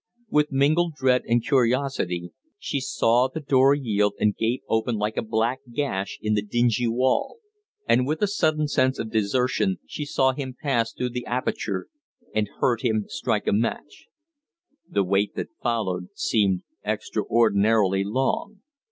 With mingled dread and curiosity she saw the door yield, and gape open like a black gash in the dingy wall; and with a sudden sense of desertion she saw him pass through the aperture and heard him strike a match. The wait that followed seemed extraordinarily long.